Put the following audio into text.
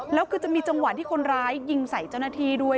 แล้วคือจะมีจังหวะที่คนร้ายยิงใส่เจ้าหน้าที่ด้วย